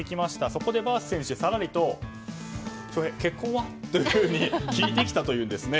そこでバース選手はさらりと結婚は？と聞いてきたというんですね。